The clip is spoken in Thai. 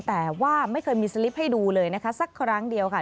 แต่ว่าไม่เคยมีสลิปให้ดูเลยนะคะสักครั้งเดียวค่ะ